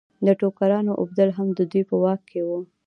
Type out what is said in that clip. د ټوکرانو اوبدل هم د دوی په واک کې وو.